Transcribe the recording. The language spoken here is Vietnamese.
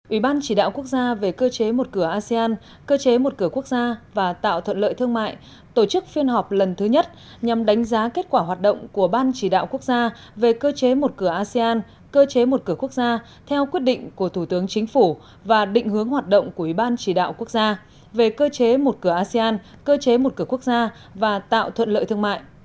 ủy ban chỉ đạo quốc gia về cơ chế một cửa asean cơ chế một cửa quốc gia và tạo thuận lợi thương mại tổ chức phiên họp lần thứ nhất nhằm đánh giá kết quả hoạt động của ban chỉ đạo quốc gia về cơ chế một cửa asean cơ chế một cửa quốc gia theo quyết định của thủ tướng chính phủ và định hướng hoạt động của ủy ban chỉ đạo quốc gia về cơ chế một cửa asean cơ chế một cửa quốc gia và tạo thuận lợi thương mại